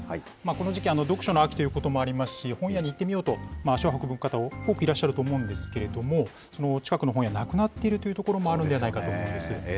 この時期、読書の秋ということもありますし、本屋に行ってみようと、足を運ぶ方、多くいらっしゃると思うんですけれども、近くの本屋、なくなっているという所もあるんじゃないかと思うんです。